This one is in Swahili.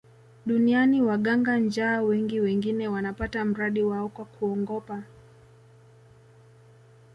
Duniani waganga njaa wengi wengine wanapata mradi wao kwa kuongopa